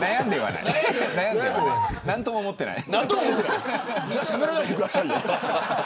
何とも思ってない。